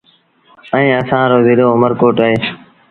ائيٚݩ اسآݩ رو زلو اُ مر ڪوٽ اهي